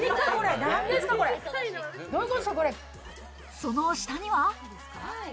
その下には。